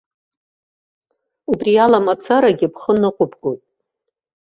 Убри ала мацарагьы бхы ныҟәыбгоит.